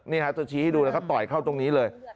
จะชี้ให้ดูนะครับต่อยเข้าตรงนี้เลย